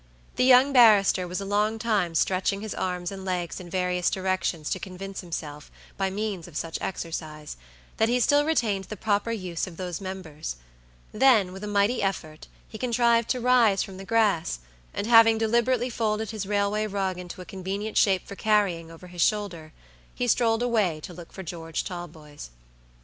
The young barrister was a long time stretching his arms and legs in various directions to convince himself, by means of such exercise, that he still retained the proper use of those members; then, with a mighty effort, he contrived to rise from the grass, and having deliberately folded his railway rug into a convenient shape for carrying over his shoulder, he strolled away to look for George Talboys.